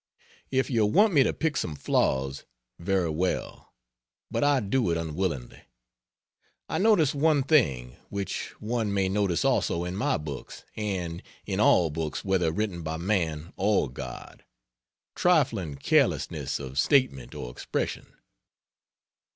If you want me to pick some flaws very well but I do it unwillingly. I notice one thing which one may notice also in my books, and in all books whether written by man or God: trifling carelessness of statement or Expression.